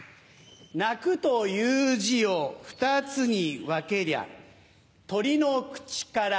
鳴くという字を２つに分けりゃ鳥の口から。